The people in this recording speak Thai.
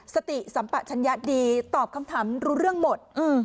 สติสัมปะชัญญะดีตอบคำถามรู้เรื่องหมด